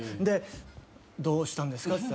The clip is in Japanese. でどうしたんですか？